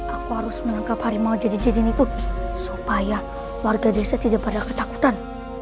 aku harus menangkap hari mau jadi jadian itu supaya warga desa tidak pada ketakutan